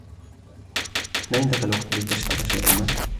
هل عندك الوقت لتشرب شيئا ما؟